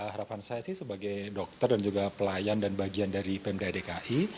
harapan saya sih sebagai dokter dan juga pelayan dan bagian dari pemda dki